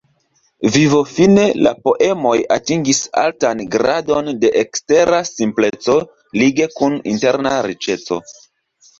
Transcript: Vivofine, la poemoj atingis altan gradon de ekstera simpleco lige kun interna riĉeco.